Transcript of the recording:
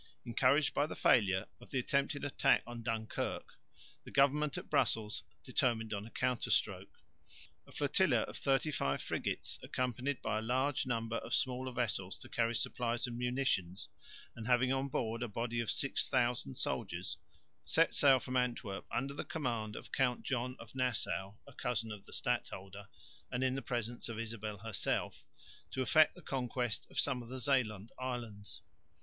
Encouraged by the failure of the attempted attack on Dunkirk the government at Brussels determined on a counter stroke. A flotilla of 35 frigates, accompanied by a large number of smaller vessels to carry supplies and munitions and having on board a body of 6000 soldiers, set sail from Antwerp under the command of Count John of Nassau (a cousin of the stadholder) and in the presence of Isabel herself to effect the conquest of some of the Zeeland islands.